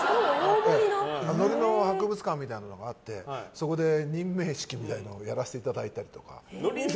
のりの博物館みたいなのがあってそこで任命式をやらせていただいたりとか。